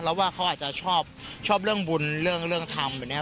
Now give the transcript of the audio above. เราว่าเขาอาจจะชอบเรื่องบุญเรื่องทำ